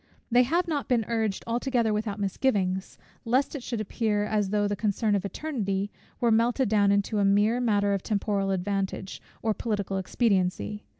They have not been urged altogether without misgivings, lest it should appear, as though the concern of Eternity were melted down into a mere matter of temporal advantage, or political expediency.